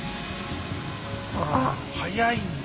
早いんだ。